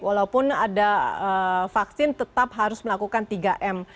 walaupun ada vaksin tetap harus melakukan tiga m